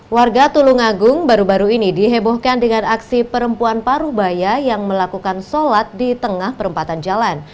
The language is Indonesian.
warga tulungagung baru baru ini dihebohkan dengan aksi perempuan paruh baya yang melakukan sholat di tengah perempatan jalan